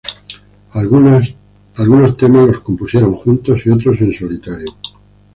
Algunos temas los compusieron juntos y otros en solitario.